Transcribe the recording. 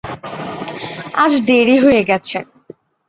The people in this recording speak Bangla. আজ দেরি হয়ে গেছে।